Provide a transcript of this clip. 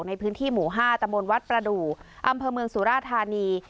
ในพื้นที่หมู่๕ตะมนต์วัดประดูกอำเภอเมืองสุราธานี